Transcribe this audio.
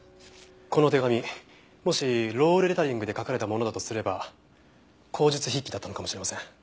この手紙もしロールレタリングで書かれたものだとすれば口述筆記だったのかもしれません。